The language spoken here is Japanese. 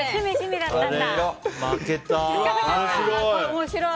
面白い！